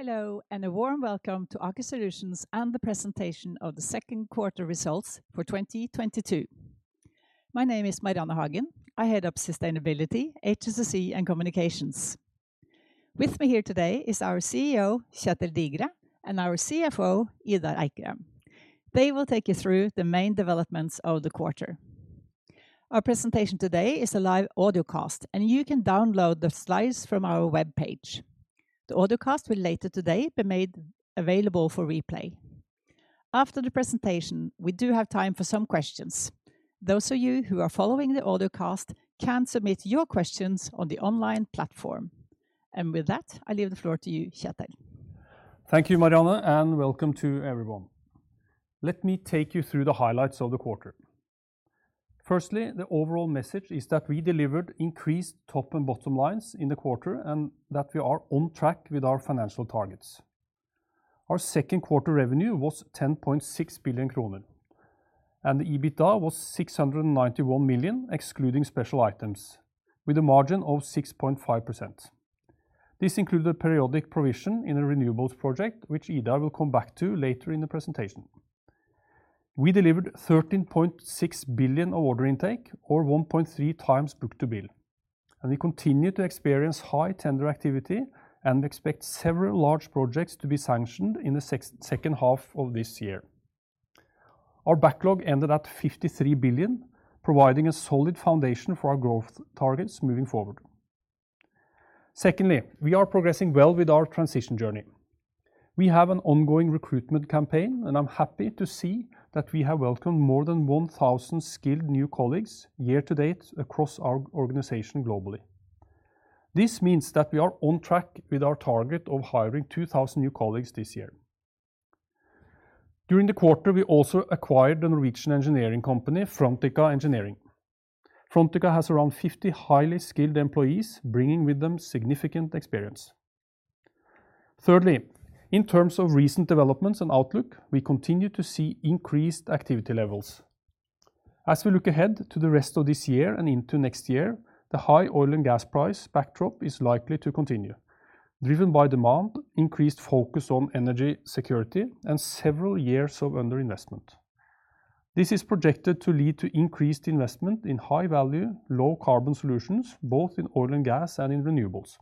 Hello, and a warm welcome to Aker Solutions and the presentation of the Second Quarter Results for 2022. My name is Marianne Hagen. I head up Sustainability, HSSE, and Communications. With me here today is our CEO, Kjetil Digre, and our CFO, Idar Eikrem. They will take you through the main developments of the quarter. Our presentation today is a live audio cast, and you can download the slides from our webpage. The audio cast will later today be made available for replay. After the presentation, we do have time for some questions. Those of you who are following the audio cast can submit your questions on the online platform. With that, I leave the floor to you, Kjetel. Thank you, Marianne, and welcome to everyone. Let me take you through the highlights of the quarter. Firstly, the overall message is that we delivered increased top and bottom lines in the quarter and that we are on track with our financial targets. Our second quarter revenue was 10.6 billion kroner, and the EBITDA was 691 million, excluding special items, with a margin of 6.5%. This included periodic provision in a renewables project which Idar will come back to later in the presentation. We delivered 13.6 billion of order intake or 1.3x book-to-bill. We continue to experience high tender activity and expect several large projects to be sanctioned in the second half of this year. Our backlog ended at 53 billion, providing a solid foundation for our growth targets moving forward. Secondly, we are progressing well with our transition journey. We have an ongoing recruitment campaign, and I'm happy to see that we have welcomed more than 1,000 skilled new colleagues year to date across our organization globally. This means that we are on track with our target of hiring 2,000 new colleagues this year. During the quarter, we also acquired the Norwegian engineering company, Frontica Engineering. Frontica has around 50 highly skilled employees, bringing with them significant experience. Thirdly, in terms of recent developments and outlook, we continue to see increased activity levels. As we look ahead to the rest of this year and into next year, the high oil and gas price backdrop is likely to continue, driven by demand, increased focus on energy security, and several years of underinvestment. This is projected to lead to increased investment in high value, low carbon solutions, both in oil and gas and in renewables.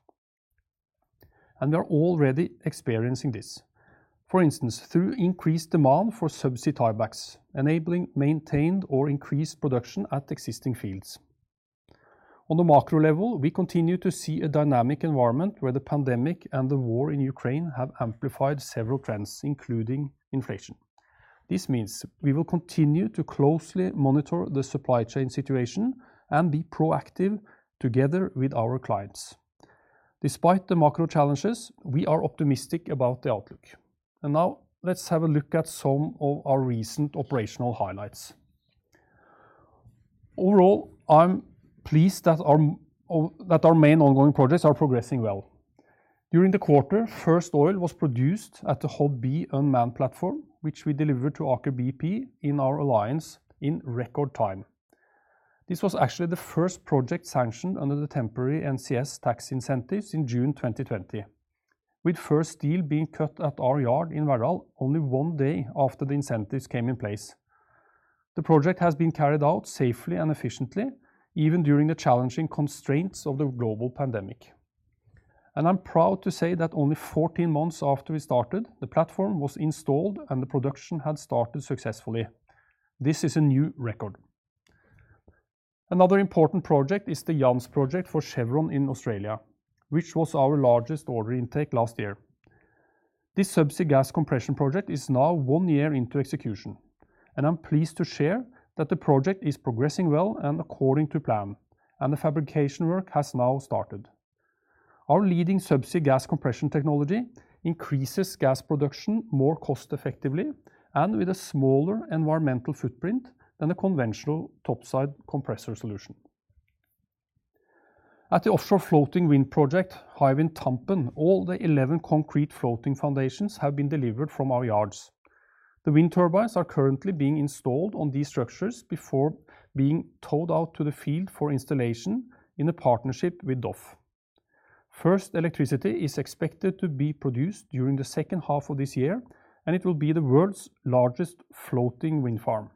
We are already experiencing this. For instance, through increased demand for subsea tiebacks, enabling maintained or increased production at existing fields. On the macro level, we continue to see a dynamic environment where the pandemic and the war in Ukraine have amplified several trends, including inflation. This means we will continue to closely monitor the supply chain situation and be proactive together with our clients. Despite the macro challenges, we are optimistic about the outlook. Now let's have a look at some of our recent operational highlights. Overall, I'm pleased that our main ongoing projects are progressing well. During the quarter, first oil was produced at the Hod B unmanned platform, which we delivered to Aker BP in our alliance in record time. This was actually the first project sanctioned under the temporary NCS tax incentives in June 2020, with first steel being cut at our yard in Verdal only one day after the incentives came in place. The project has been carried out safely and efficiently, even during the challenging constraints of the global pandemic. I'm proud to say that only 14 months after we started, the platform was installed, and the production had started successfully. This is a new record. Another important project is the Jansz-Io project for Chevron in Australia, which was our largest order intake last year. This subsea gas compression project is now one year into execution, and I'm pleased to share that the project is progressing well and according to plan, and the fabrication work has now started. Our leading subsea gas compression technology increases gas production more cost effectively and with a smaller environmental footprint than the conventional topside compressor solution. At the offshore floating wind project, Hywind Tampen, all the 11 concrete floating foundations have been delivered from our yards. The wind turbines are currently being installed on these structures before being towed out to the field for installation in a partnership with DOF. First electricity is expected to be produced during the second half of this year, and it will be the world's largest floating wind farm.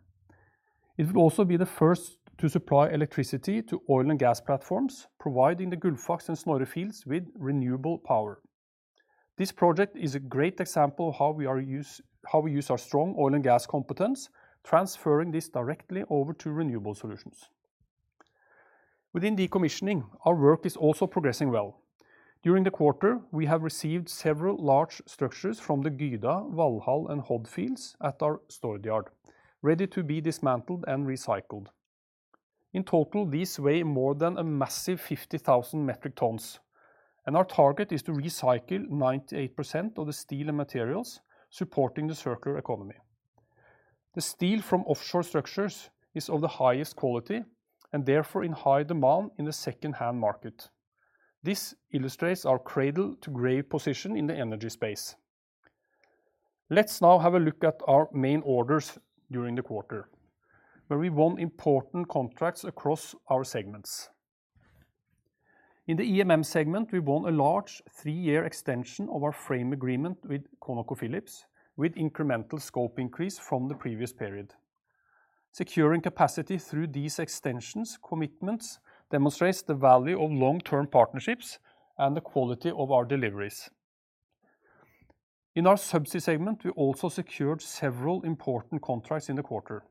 It will also be the first to supply electricity to oil and gas platforms, providing the Gullfaks and Snorre fields with renewable power. This project is a great example of how we use our strong oil and gas competence, transferring this directly over to renewable solutions. Within decommissioning, our work is also progressing well. During the quarter, we have received several large structures from the Gyda, Valhall, and Hod fields at our Stord yard, ready to be dismantled and recycled. In total, these weigh more than a massive 50,000 metric tons, and our target is to recycle 98% of the steel and materials supporting the circular economy. The steel from offshore structures is of the highest quality and therefore in high demand in the second-hand market. This illustrates our cradle to grave position in the energy space. Let's now have a look at our main orders during the quarter, where we won important contracts across our segments. In the EMM segment, we won a large three-year extension of our frame agreement with ConocoPhillips with incremental scope increase from the previous period. Securing capacity through these extensions commitments demonstrates the value of long-term partnerships and the quality of our deliveries. In our Subsea segment, we also secured several important contracts in the quarter.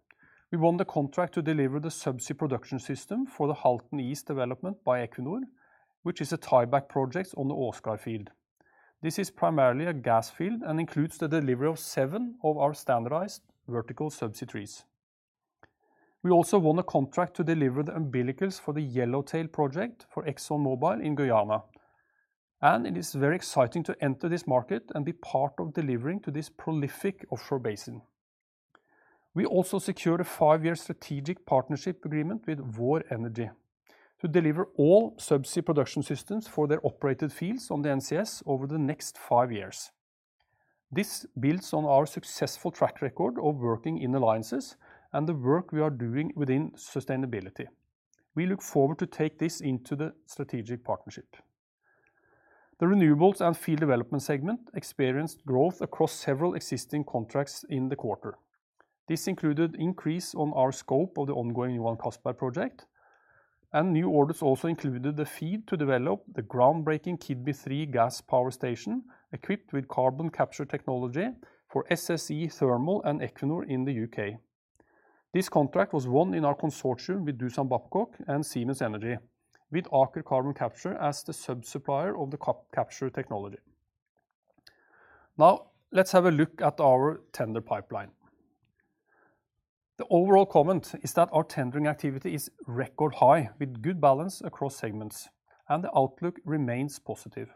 We won the contract to deliver the subsea production system for the Halten East development by Equinor, which is a tieback project on the Åsgard field. This is primarily a gas field and includes the delivery of seven of our standardized vertical subsea trees. We also won a contract to deliver the umbilicals for the Yellowtail project for ExxonMobil in Guyana, and it is very exciting to enter this market and be part of delivering to this prolific offshore basin. We also secured a five-year strategic partnership agreement with Vår Energi to deliver all subsea production systems for their operated fields on the NCS over the next five years. This builds on our successful track record of working in alliances and the work we are doing within sustainability. We look forward to take this into the strategic partnership. The Renewables and Field Development segment experienced growth across several existing contracts in the quarter. This included increase on our scope of the ongoing Johan Castberg project, and new orders also included the FEED to develop the groundbreaking Keadby 3 gas power station equipped with carbon capture technology for SSE Thermal and Equinor in the U.K. This contract was won in our consortium with Doosan Babcock and Siemens Energy, with Aker Carbon Capture as the sub-supplier of the carbon capture technology. Now, let's have a look at our tender pipeline. The overall comment is that our tendering activity is record high with good balance across segments, and the outlook remains positive.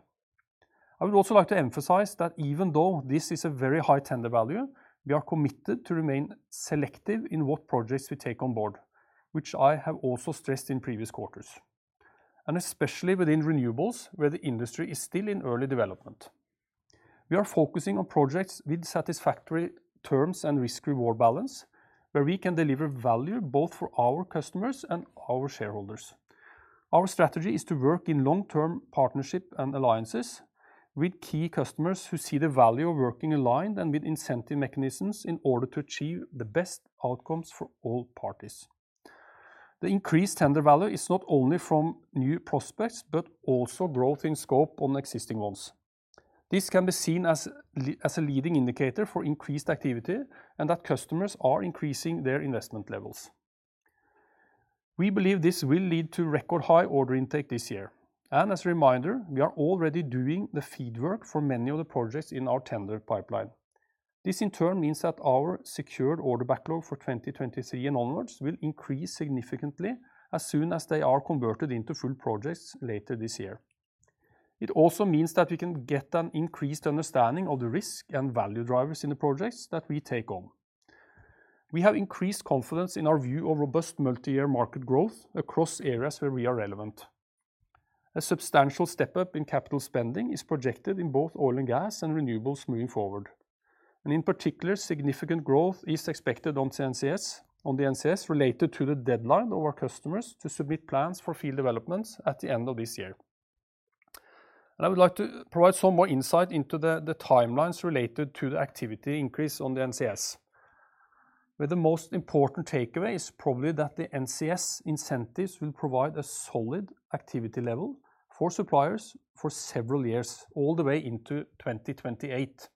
I would also like to emphasize that even though this is a very high tender value, we are committed to remain selective in what projects we take on board, which I have also stressed in previous quarters, and especially within renewables, where the industry is still in early development. We are focusing on projects with satisfactory terms and risk-reward balance, where we can deliver value both for our customers and our shareholders. Our strategy is to work in long-term partnership and alliances with key customers who see the value of working aligned and with incentive mechanisms in order to achieve the best outcomes for all parties. The increased tender value is not only from new prospects, but also growth in scope on existing ones. This can be seen as a leading indicator for increased activity and that customers are increasing their investment levels. We believe this will lead to record high order intake this year. As a reminder, we are already doing the FEED work for many of the projects in our tender pipeline. This in turn means that our secured order backlog for 2023 and onwards will increase significantly as soon as they are converted into full projects later this year. It also means that we can get an increased understanding of the risk and value drivers in the projects that we take on. We have increased confidence in our view of robust multi-year market growth across areas where we are relevant. A substantial step up in capital spending is projected in both oil and gas and renewables moving forward. In particular, significant growth is expected on the NCS related to the deadline of our customers to submit plans for field developments at the end of this year. I would like to provide some more insight into the timelines related to the activity increase on the NCS. With the most important takeaway is probably that the NCS incentives will provide a solid activity level for suppliers for several years, all the way into 2028.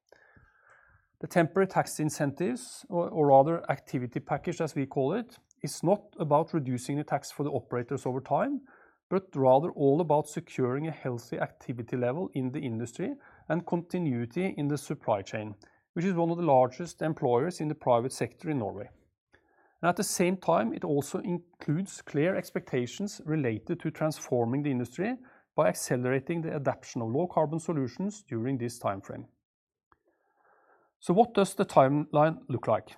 The temporary tax incentives or rather activity package, as we call it, is not about reducing the tax for the operators over time, but rather all about securing a healthy activity level in the industry and continuity in the supply chain, which is one of the largest employers in the private sector in Norway. At the same time, it also includes clear expectations related to transforming the industry by accelerating the adoption of low carbon solutions during this timeframe. What does the timeline look like?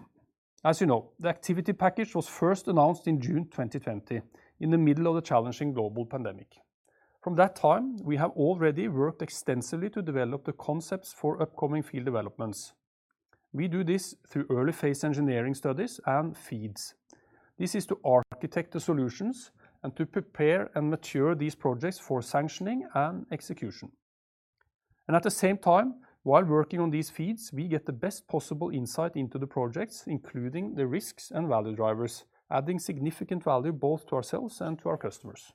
As you know, the activity package was first announced in June 2020, in the middle of the challenging global pandemic. From that time, we have already worked extensively to develop the concepts for upcoming field developments. We do this through early phase engineering studies and feeds. This is to architect the solutions and to prepare and mature these projects for sanctioning and execution. At the same time, while working on these feeds, we get the best possible insight into the projects, including the risks and value drivers, adding significant value both to ourselves and to our customers.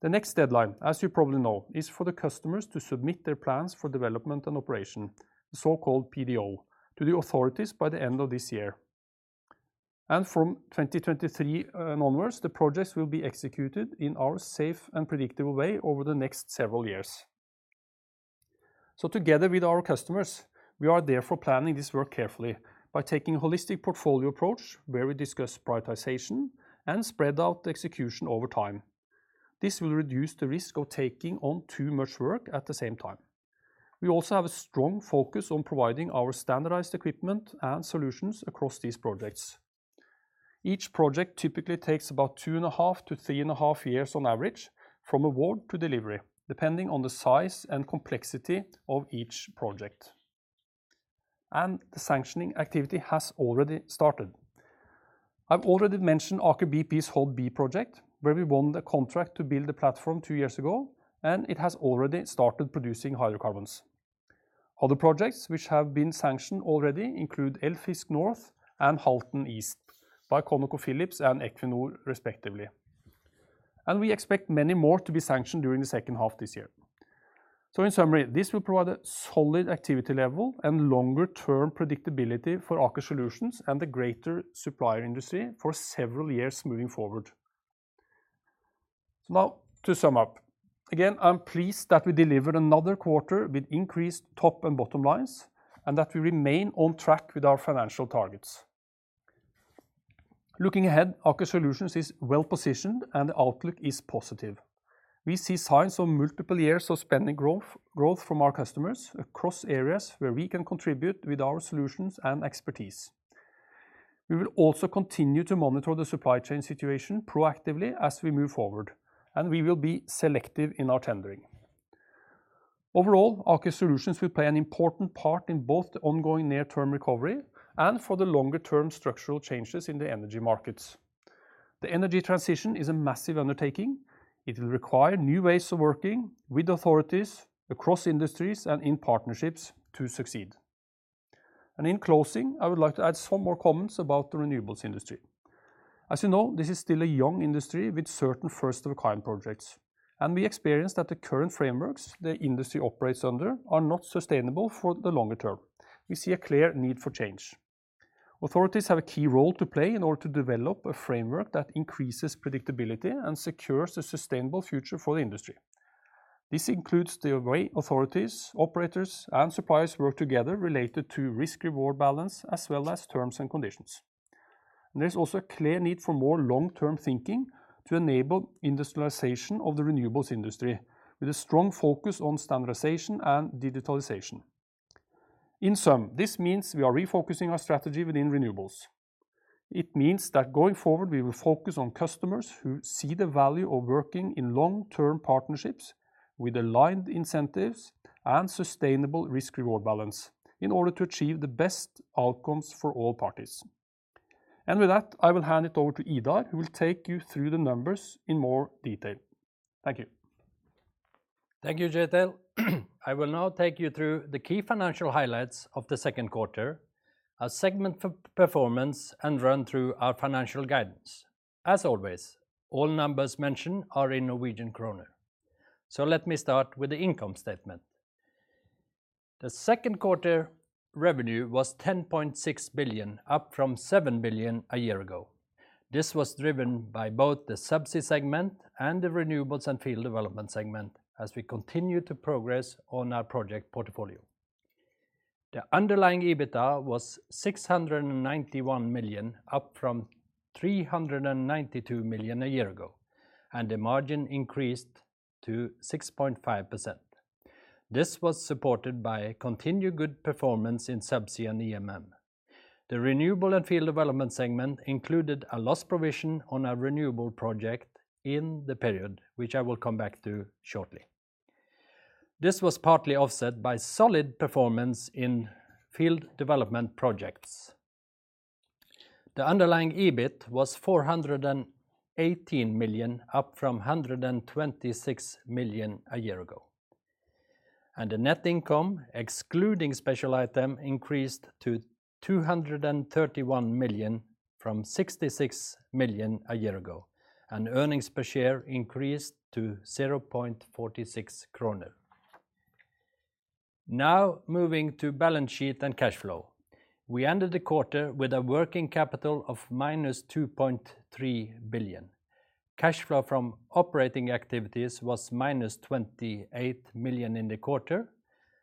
The next deadline, as you probably know, is for the customers to submit their plans for development and operation, the so-called PDO, to the authorities by the end of this year. From 2023 onward, the projects will be executed in our safe and predictable way over the next several years. Together with our customers, we are therefore planning this work carefully by taking a holistic portfolio approach where we discuss prioritization and spread out the execution over time. This will reduce the risk of taking on too much work at the same time. We also have a strong focus on providing our standardized equipment and solutions across these projects. Each project typically takes about 2.5-3.5 years on average from award to delivery, depending on the size and complexity of each project. The sanctioning activity has already started. I've already mentioned Aker BP's Hod B project, where we won the contract to build the platform two years ago, and it has already started producing hydrocarbons. Other projects which have been sanctioned already include Eldfisk North and Halten East by ConocoPhillips and Equinor respectively. We expect many more to be sanctioned during the second half this year. In summary, this will provide a solid activity level and longer term predictability for Aker Solutions and the greater supplier industry for several years moving forward. Now to sum up. Again, I'm pleased that we delivered another quarter with increased top and bottom lines and that we remain on track with our financial targets. Looking ahead, Aker Solutions is well-positioned and the outlook is positive. We see signs of multiple years of spending growth from our customers across areas where we can contribute with our solutions and expertise. We will also continue to monitor the supply chain situation proactively as we move forward, and we will be selective in our tendering. Overall, Aker Solutions will play an important part in both the ongoing near-term recovery and for the longer-term structural changes in the energy markets. The energy transition is a massive undertaking. It will require new ways of working with authorities across industries and in partnerships to succeed. In closing, I would like to add some more comments about the renewables industry. As you know, this is still a young industry with certain first of a kind projects, and we experience that the current frameworks the industry operates under are not sustainable for the longer term. We see a clear need for change. Authorities have a key role to play in order to develop a framework that increases predictability and secures a sustainable future for the industry. This includes the way authorities, operators, and suppliers work together related to risk-reward balance, as well as terms and conditions. There is also a clear need for more long-term thinking to enable industrialization of the renewables industry with a strong focus on standardization and digitalization. In sum, this means we are refocusing our strategy within renewables. It means that going forward we will focus on customers who see the value of working in long-term partnerships with aligned incentives and sustainable risk-reward balance in order to achieve the best outcomes for all parties. With that, I will hand it over to Idar, who will take you through the numbers in more detail. Thank you. Thank you, Kjetel. I will now take you through the key financial highlights of the second quarter, our segment for performance, and run through our financial guidance. As always, all numbers mentioned are in Norwegian kroner. Let me start with the income statement. The second quarter revenue was 10.6 billion, up from 7 billion a year ago. This was driven by both the Subsea segment and the Renewables and Field Development segment as we continue to progress on our project portfolio. The underlying EBITA was 691 million, up from 392 million a year ago, and the margin increased to 6.5%. This was supported by continued good performance in Subsea and EMM. The Renewables and Field Development segment included a loss provision on a renewable project in the period, which I will come back to shortly. This was partly offset by solid performance in field development projects. The underlying EBIT was 418 million, up from 126 million a year ago. The net income, excluding special item, increased to 231 million from 66 million a year ago, and earnings per share increased to 0.46 kroner. Now moving to balance sheet and cash flow. We ended the quarter with a working capital of -2.3 billion. Cash flow from operating activities was -28 million in the quarter,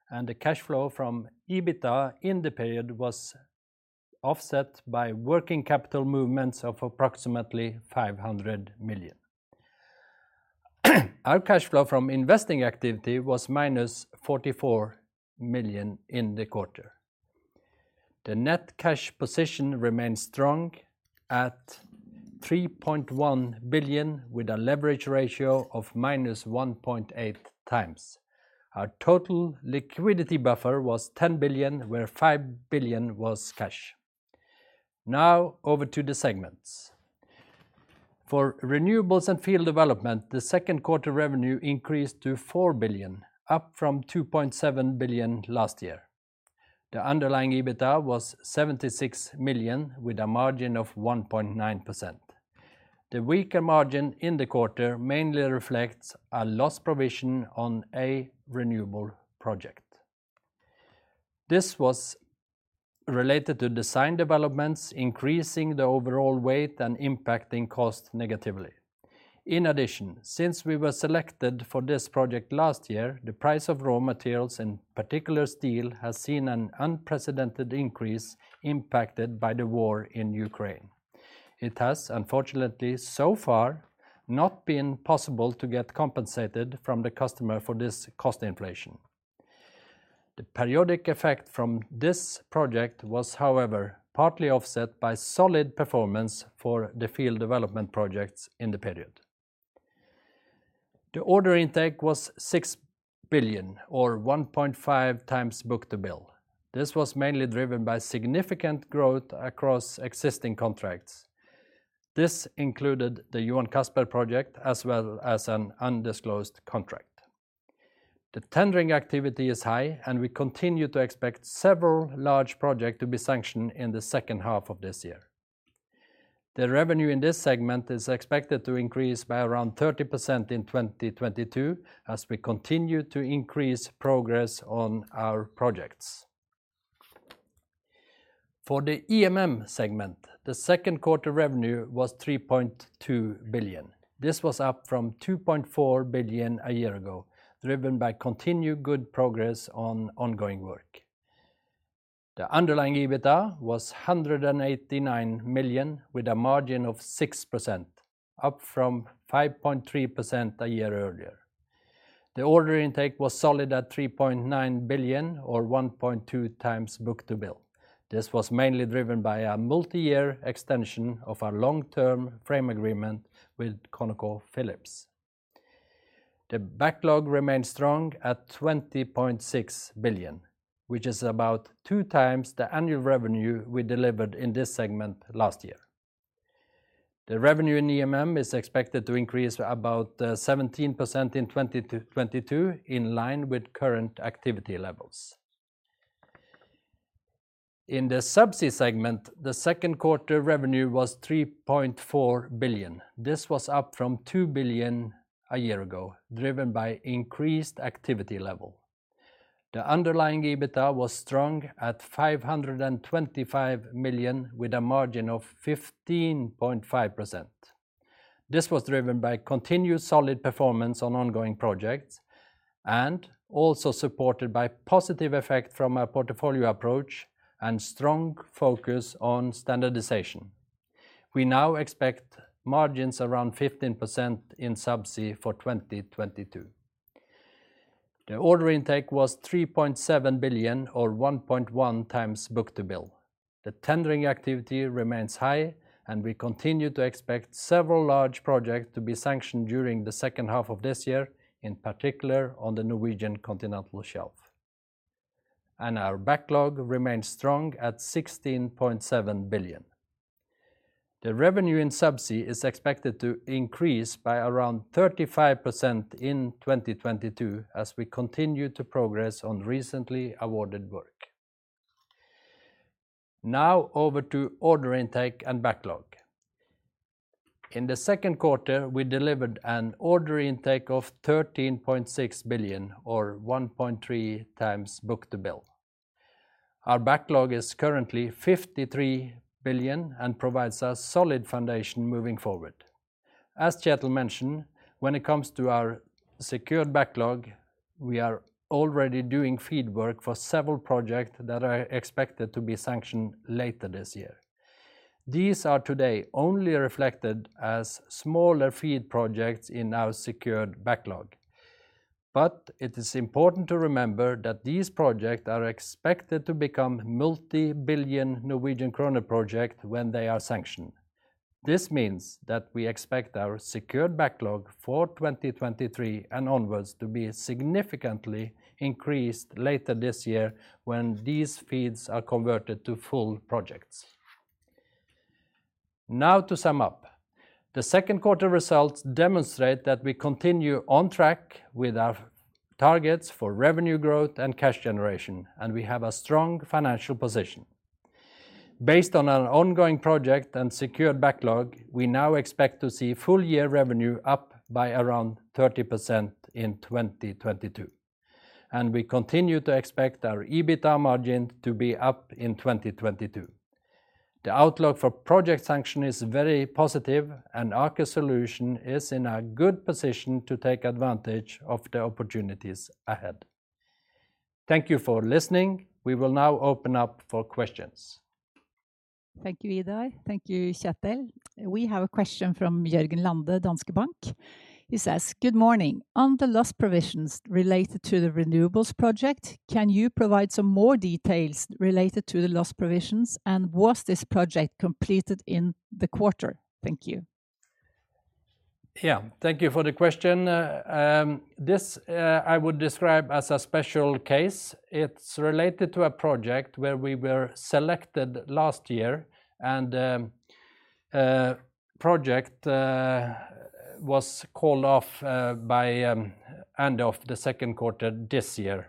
and the cash flow from EBITA in the period was offset by working capital movements of approximately 500 million. Our cash flow from investing activity was -44 million in the quarter. The net cash position remains strong at 3.1 billion, with a leverage ratio of -1.8x. Our total liquidity buffer was 10 billion, where 5 billion was cash. Now over to the segments. For Renewables and Field Development, the second quarter revenue increased to 4 billion, up from 2.7 billion last year. The underlying EBITA was 76 million, with a margin of 1.9%. The weaker margin in the quarter mainly reflects a loss provision on a renewable project. This was related to design developments, increasing the overall weight and impacting cost negatively. In addition, since we were selected for this project last year, the price of raw materials, in particular steel, has seen an unprecedented increase impacted by the war in Ukraine. It has unfortunately, so far, not been possible to get compensated from the customer for this cost inflation. The periodic effect from this project was, however, partly offset by solid performance for the field development projects in the period. The order intake was 6 billion, or 1.5x book-to-bill. This was mainly driven by significant growth across existing contracts. This included the Johan Castberg project, as well as an undisclosed contract. The tendering activity is high, and we continue to expect several large project to be sanctioned in the second half of this year. The revenue in this segment is expected to increase by around 30% in 2022 as we continue to increase progress on our projects. For the EMM segment, the second quarter revenue was 3.2 billion. This was up from 2.4 billion a year ago, driven by continued good progress on ongoing work. The underlying EBITA was 189 million, with a margin of 6%, up from 5.3% a year earlier. The order intake was solid at 3.9 billion, or 1.2x book-to-bill. This was mainly driven by a multi-year extension of our long-term frame agreement with ConocoPhillips. The backlog remains strong at 20.6 billion, which is about 2x the annual revenue we delivered in this segment last year. The revenue in EMM is expected to increase about 17% in 2022, in line with current activity levels. In the Subsea segment, the second quarter revenue was 3.4 billion. This was up from 2 billion a year ago, driven by increased activity level. The underlying EBITA was strong at 525 million, with a margin of 15.5%. This was driven by continued solid performance on ongoing projects and also supported by positive effect from our portfolio approach and strong focus on standardization. We now expect margins around 15% in Subsea for 2022. The order intake was 3.7 billion, or 1.1x book-to-bill. The tendering activity remains high, and we continue to expect several large projects to be sanctioned during the second half of this year, in particular on the Norwegian Continental Shelf. Our backlog remains strong at 16.7 billion. The revenue in Subsea is expected to increase by around 35% in 2022 as we continue to progress on recently awarded work. Now over to order intake and backlog. In the second quarter, we delivered an order intake of 13.6 billion, or 1.3x book-to-bill. Our backlog is currently 53 billion and provides a solid foundation moving forward. As Kjetel mentioned, when it comes to our secured backlog, we are already doing FEED work for several project that are expected to be sanctioned later this year. These are today only reflected as smaller FEED projects in our secured backlog. It is important to remember that these project are expected to become multi-billion NOK project when they are sanctioned. This means that we expect our secured backlog for 2023 and onwards to be significantly increased later this year when these FEEDs are converted to full projects. Now to sum up. The second quarter results demonstrate that we continue on track with our targets for revenue growth and cash generation, and we have a strong financial position. Based on our ongoing project and secured backlog, we now expect to see full-year revenue up by around 30% in 2022, and we continue to expect our EBITA margin to be up in 2022. The outlook for project sanction is very positive, and Aker Solutions is in a good position to take advantage of the opportunities ahead. Thank you for listening. We will now open up for questions. Thank you, Idar. Thank you, Kjetel. We have a question from Jørgen Lande, Danske Bank. He says, "Good morning. On the loss provisions related to the renewables project, can you provide some more details related to the loss provisions? And was this project completed in the quarter? Thank you. Yeah. Thank you for the question. This I would describe as a special case. It's related to a project where we were selected last year and project was called off by end of the second quarter this year.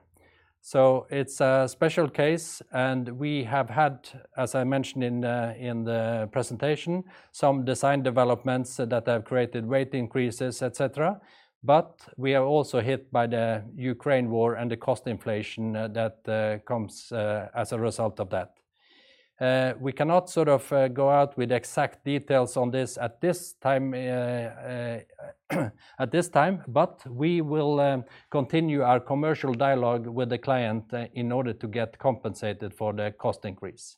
It's a special case, and we have had, as I mentioned in the presentation, some design developments that have created rate increases, et cetera, but we are also hit by the Ukraine war and the cost inflation that comes as a result of that. We cannot sort of go out with exact details on this at this time, but we will continue our commercial dialogue with the client in order to get compensated for the cost increase.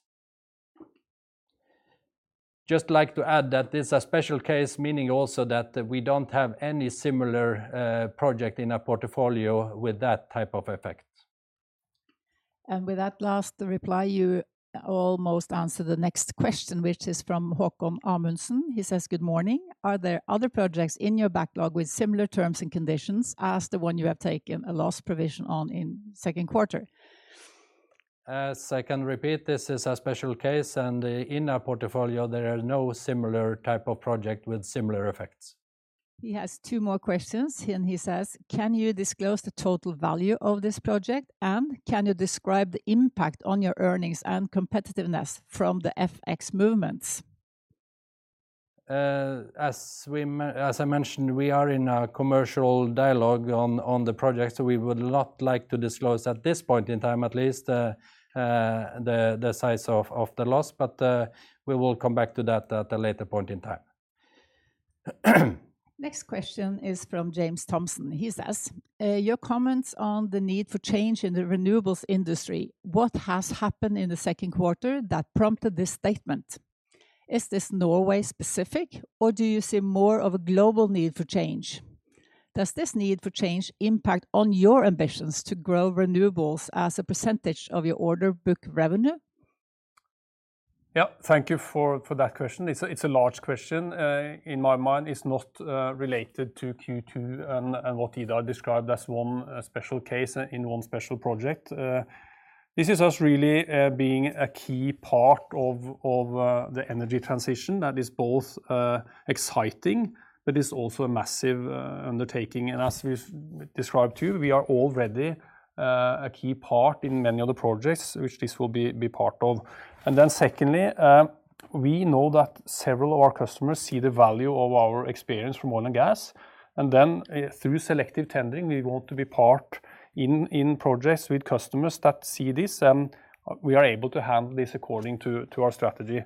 Just like to add that it's a special case, meaning also that we don't have any similar project in our portfolio with that type of effect. With that last reply, you almost answered the next question, which is from Håkon Amundsen. He says, "Good morning. Are there other projects in your backlog with similar terms and conditions as the one you have taken a loss provision on in second quarter? As I can repeat, this is a special case, and in our portfolio there are no similar type of project with similar effects. He has two more questions, and he says, "Can you disclose the total value of this project, and can you describe the impact on your earnings and competitiveness from the FX movements? As I mentioned, we are in a commercial dialogue on the project, so we would not like to disclose, at this point in time at least, the size of the loss. We will come back to that at a later point in time. Next question is from James Thompson, and he says, "Your comments on the need for change in the renewables industry, what has happened in the second quarter that prompted this statement? Is this Norway-specific, or do you see more of a global need for change? Does this need for change impact on your ambitions to grow renewables as a percentage of your order book revenue? Yeah. Thank you for that question. It's a large question. In my mind, it's not related to Q2 and what Idar described as one special case in one special project. This is us really being a key part of the energy transition that is both exciting, but it's also a massive undertaking. As we've described to you, we are already a key part in many of the projects which this will be part of. Then secondly, we know that several of our customers see the value of our experience from oil and gas. Then, through selective tendering, we want to be part in projects with customers that see this, and we are able to handle this according to our strategy.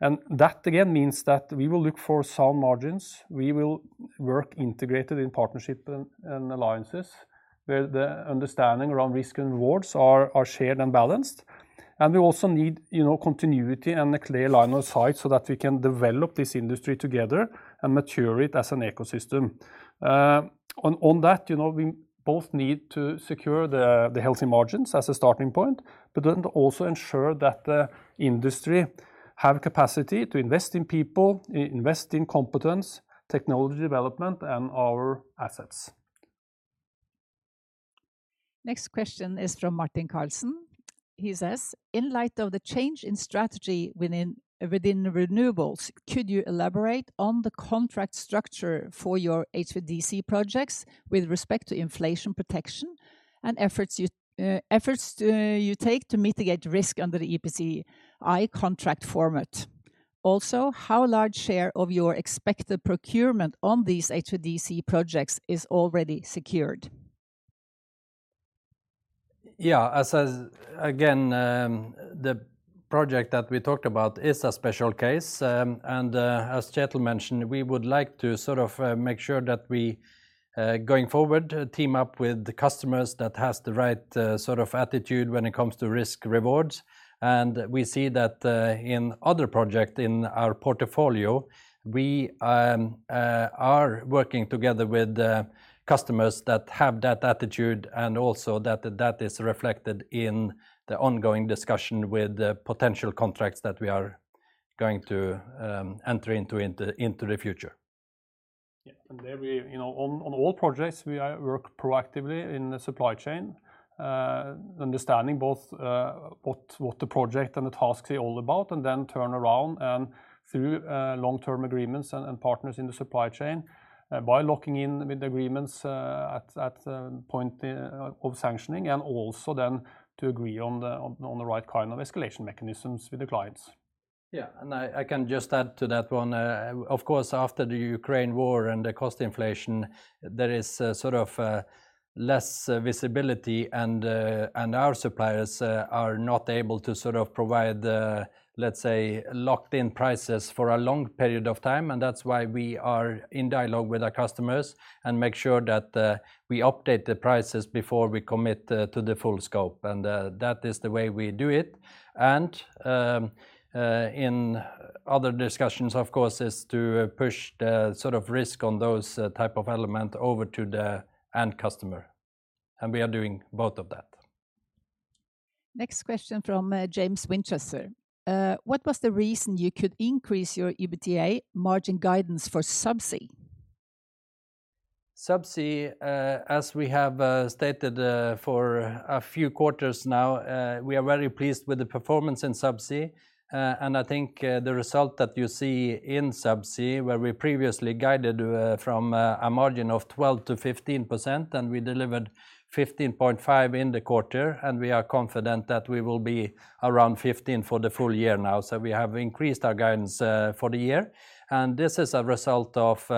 That, again, means that we will look for sound margins. We will work integrated in partnership and alliances where the understanding around risk and rewards are shared and balanced. We also need, you know, continuity and a clear line of sight so that we can develop this industry together and mature it as an ecosystem. On that, you know, we both need to secure the healthy margins as a starting point, but then to also ensure that the industry have capacity to invest in people, invest in competence, technology development, and our assets. Next question is from Martin Carlson. He says, "In light of the change in strategy within renewables, could you elaborate on the contract structure for your HVDC projects with respect to inflation protection and efforts you take to mitigate risk under the EPCI contract format? Also, how large a share of your expected procurement on these HVDC projects is already secured? Again, the project that we talked about is a special case, and as Kjetel mentioned, we would like to sort of make sure that we going forward team up with the customers that has the right sort of attitude when it comes to risk rewards. We see that in other project in our portfolio we are working together with customers that have that attitude and also that that is reflected in the ongoing discussion with the potential contracts that we are going to enter into into the future. Yeah. You know, on all projects, we work proactively in the supply chain, understanding both what the project and the tasks are all about, and then turn around and through long-term agreements and partners in the supply chain, by locking in with agreements at the point of sanctioning and also then to agree on the right kind of escalation mechanisms with the clients. Yeah. I can just add to that one. Of course, after the Ukraine war and the cost inflation, there is sort of less visibility, and our suppliers are not able to sort of provide the, let's say, locked in prices for a long period of time. That's why we are in dialogue with our customers and make sure that we update the prices before we commit to the full scope, and that is the way we do it. In other discussions, of course, is to push the sort of risk on those type of element over to the end customer, and we are doing both of that. Next question from James Winchester. "What was the reason you could increase your EBITDA margin guidance for subsea? Subsea, as we have stated for a few quarters now, we are very pleased with the performance in Subsea. I think the result that you see in Subsea, where we previously guided from a margin of 12%-15%, and we delivered 15.5% in the quarter, and we are confident that we will be around 15% for the full year now. We have increased our guidance for the year, and this is a result of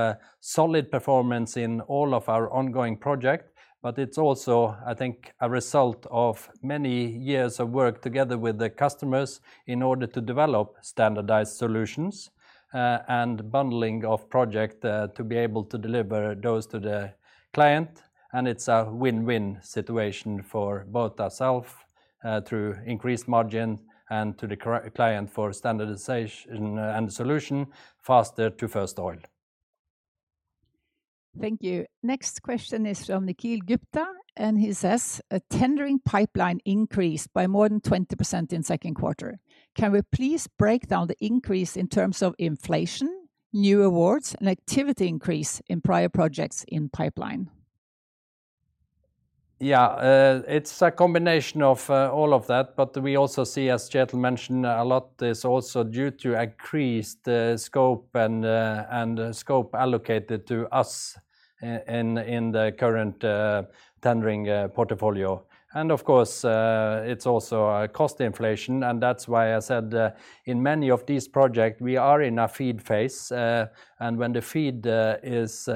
solid performance in all of our ongoing project. It's also, I think, a result of many years of work together with the customers in order to develop standardized solutions, and bundling of project, to be able to deliver those to the client, and it's a win-win situation for both ourselves, through increased margin and to the client for standardization and solution faster to first oil. Thank you. Next question is from Nikhil Gupta, and he says, "A tendering pipeline increased by more than 20% in second quarter. Can we please break down the increase in terms of inflation, new awards, and activity increase in prior projects in pipeline? Yeah, it's a combination of all of that, but we also see, as Kjetel mentioned, a lot is also due to increased scope and scope allocated to us in the current tendering portfolio. Of course, it's also a cost inflation, and that's why I said, in many of these projects, we are in a FEED phase. When the FEED is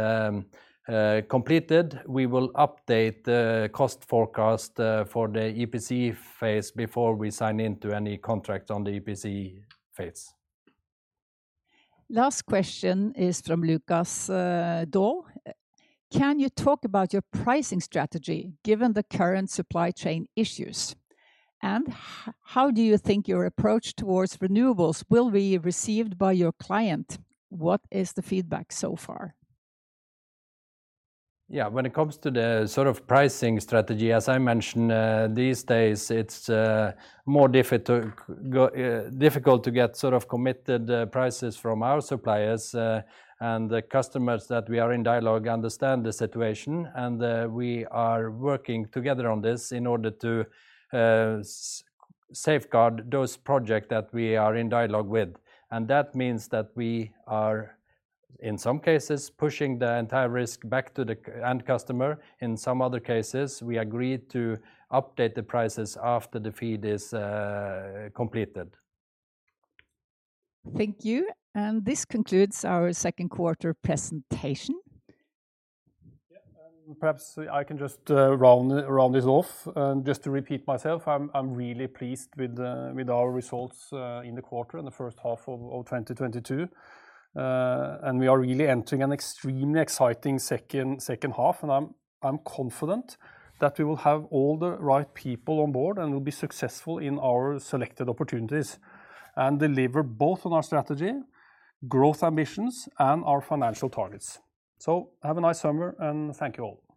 completed, we will update the cost forecast for the EPC phase before we sign into any contract on the EPC phase. Last question is from Lukas Daul. "Can you talk about your pricing strategy given the current supply chain issues? And how do you think your approach towards renewables will be received by your client? What is the feedback so far? Yeah, when it comes to the sort of pricing strategy, as I mentioned, these days it's more difficult to get sort of committed prices from our suppliers. The customers that we are in dialogue with understand the situation, and we are working together on this in order to safeguard those projects that we are in dialogue with. That means that we are, in some cases, pushing the entire risk back to the end customer. In some other cases, we agreed to update the prices after the FEED is completed. Thank you. This concludes our second quarter presentation. Yeah, perhaps I can just round this off. Just to repeat myself, I'm really pleased with our results in the quarter and the first half of 2022. We are really entering an extremely exciting second half, and I'm confident that we will have all the right people on board and will be successful in our selected opportunities and deliver both on our strategy, growth ambitions, and our financial targets. Have a nice summer, and thank you all.